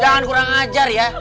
jangan kurang ajar ya